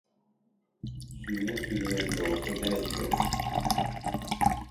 Sürüne sürüne bile olsa gene giderim!